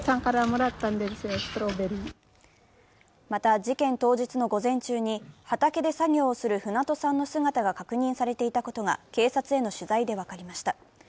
また、事件当日の午前中に畑で作業をする船戸さんの姿が確認されていたことが警察への取材で分かりました。